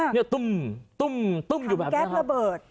ฟังแก๊สระเบิด